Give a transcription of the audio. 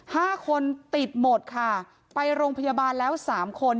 ห้าคนติดหมดค่ะไปโรงพยาบาลแล้วสามคน